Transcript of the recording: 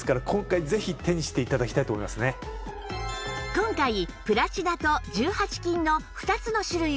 今回プラチナと１８金の２つの種類をご用意